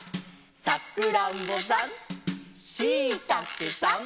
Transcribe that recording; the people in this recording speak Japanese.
「さくらんぼさん」「しいたけさん」